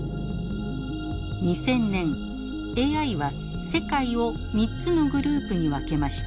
２０００年ＡＩは世界を３つのグループに分けました。